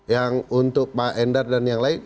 yang untuk pak endar dan yang lain